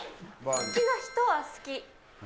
好きな人は好き。